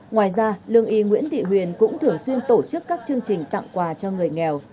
ngoài ra lương y nguyễn thị huyền cũng thường xuyên tổ chức các chương trình tặng quà cho người nghèo